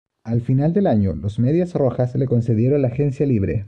Al final del año, los Medias Rojas le concedieron la agencia libre.